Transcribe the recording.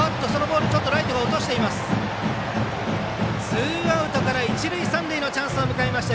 ツーアウトから一塁三塁のチャンスを迎えました。